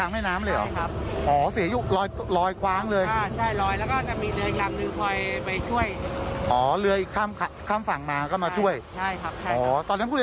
ไม่เยอะครับไม่เยอะ